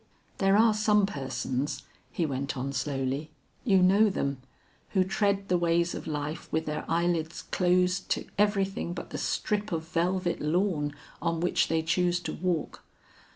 "There are some persons," he went on slowly, "you know them, who tread the ways of life with their eyelids closed to everything but the strip of velvet lawn on which they choose to walk.